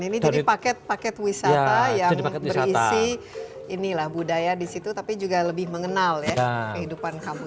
ini jadi paket paket wisata yang berisi inilah budaya di situ tapi juga lebih mengenal ya kehidupan kamu